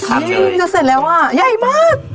เย็บสิซ็ะสินะ